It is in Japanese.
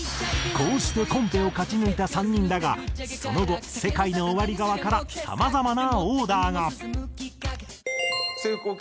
こうしてコンペを勝ち抜いた３人だがその後ＳＥＫＡＩＮＯＯＷＡＲＩ側からさまざまなオーダーが。